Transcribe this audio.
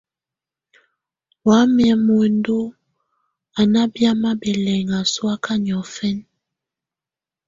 Wamɛ̀́ muǝndù à nà biamɛ̀á bɛlɛŋà sɔ̀áka niɔ̀fɛna.